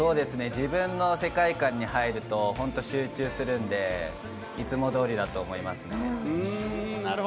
自分の世界に入ると集中するので、いつも通りだと思います。